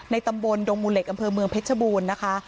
ตำบลดงมูเหล็กอำเภอเมืองเพชรบูรณ์นะคะ